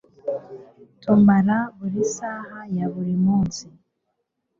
tumara buri saha ya buri munsi